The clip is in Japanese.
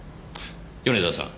米沢さん。